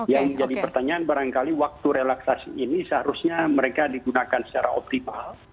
yang menjadi pertanyaan barangkali waktu relaksasi ini seharusnya mereka digunakan secara optimal